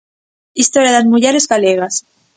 Historia das mulleres galegas.